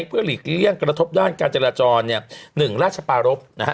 เพื่อหลีกเลี่ยงกระทบด้านกาจรจรเนี่ยหนึ่งราชปารบนะฮะ